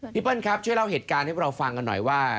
เปิ้ลครับช่วยเล่าเหตุการณ์ให้พวกเราฟังกันหน่อยว่า